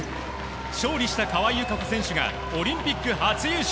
勝利した川井友香子選手がオリンピック初優勝。